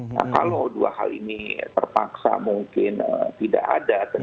nah kalau dua hal ini terpaksa mungkin tidak ada